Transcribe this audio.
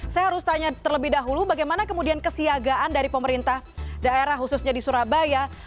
saya harus tanya terlebih dahulu bagaimana kemudian kesiagaan dari pemerintah daerah khususnya di surabaya